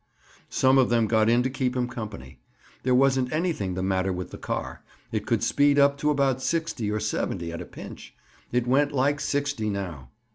Some of them got in to keep him company. There wasn't anything the matter with the car. It could speed up to about sixty, or seventy, at a pinch. It went "like sixty" now.